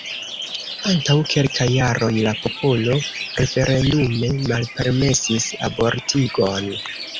Antaŭ kelkaj jaroj la popolo referendume malpermesis abortigon.